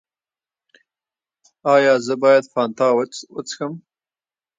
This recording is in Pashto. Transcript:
ایا زه باید فانټا وڅښم؟